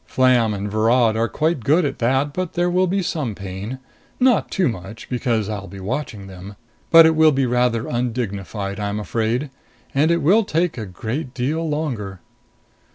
Flam and Virod are quite good at that, but there will be some pain. Not too much, because I'll be watching them. But it will be rather undignified, I'm afraid. And it will take a great deal longer."